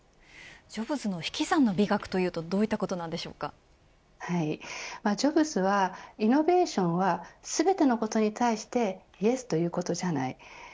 ジョブズの引き算の美学というのはジョブズはイノベーションは全ての事に対してイエスということじゃない。